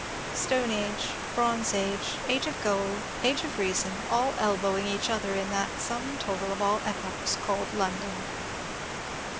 Stone age, bronze age, age of gold, age of reason, all elbowing each other in that sum total of all epochs called London.